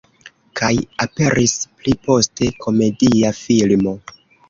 Kaj aperis pli poste komedia filmo.